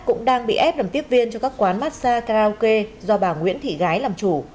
cũng đang bị ép làm tiếp viên cho các quán massage karaoke do bà nguyễn thị gái làm chủ